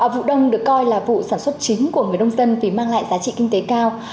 vụ đông được coi là vụ sản xuất chính của người nông dân vì mang lại giá trị kinh tế cao